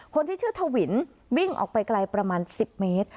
คนที่ชื่อทวินวิ่งออกไปไกลประมาณ๑๐เมตร